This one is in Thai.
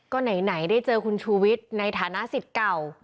ก็ไหนได้เจอคุณชูวิทย์ในฐานะสิทธิ์เก่า